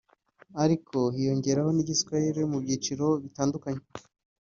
ariko hiyongeraho n’Igiswahili mu byiciro bitandukanye